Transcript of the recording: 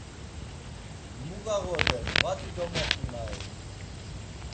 Mu gağoden, vati domoxunai!